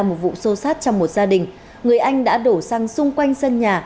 một vụ sâu sát trong một gia đình người anh đã đổ xăng xung quanh sân nhà